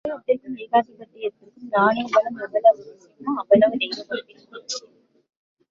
வர்த்தகத்திற்கும் ஏகாதிபத்தியத்திற்கும் ராணுவ பலம் எவ்வளவு அவசியமோ, அவ்வளவு தெய்வ பக்தியும் அவசியம்.